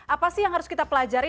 apa sih yang harus kita pelajari